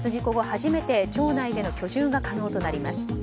初めて町内での居住が可能となります。